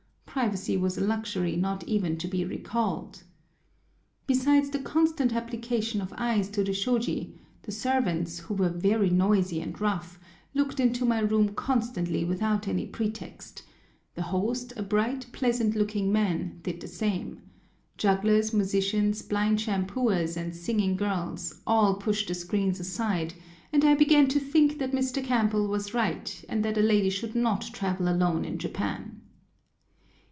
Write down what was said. Privacy was a luxury not even to be recalled. Besides the constant application of eyes to the shôji, the servants, who were very noisy and rough, looked into my room constantly without any pretext; the host, a bright, pleasant looking man, did the same; jugglers, musicians, blind shampooers, and singing girls, all pushed the screens aside; and I began to think that Mr. Campbell was right, and that a lady should not travel alone in Japan.